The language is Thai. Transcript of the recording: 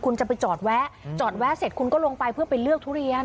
คุณจะไปจอดแวะจอดแวะเสร็จคุณก็ลงไปเพื่อไปเลือกทุเรียน